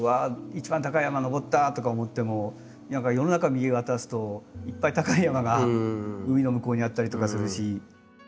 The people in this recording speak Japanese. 一番高い山登ったとか思っても何か世の中見渡すといっぱい高い山が海の向こうにあったりとかするし。